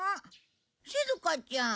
しずかちゃん。